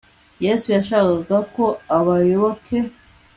yesu yashakaga ko abayoboke